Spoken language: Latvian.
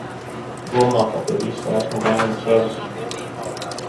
Domā, ka pie visa esmu vainīgs es!